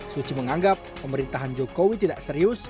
suci menganggap pemerintahan jokowi tidak serius